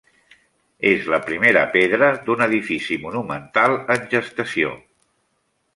És la primera pedra d'un edifici monumental en gestació.